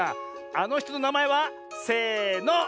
あのひとのなまえはせの。